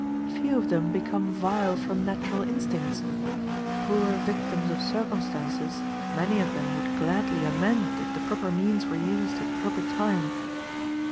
Few of them become vile from natural instincts: poor victims of circumstances, many of them would gladly amend if the proper means were used at the proper time.